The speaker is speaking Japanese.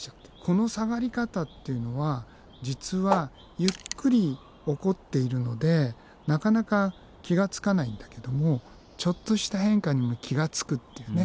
この下がり方っていうのは実はゆっくり起こっているのでなかなか気がつかないんだけどもちょっとした変化にも気がつくっていうね